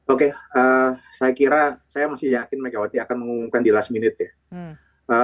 oke saya kira saya masih yakin megawati akan mengumumkan di last minute ya